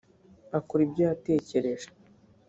akora ibyo yatekereje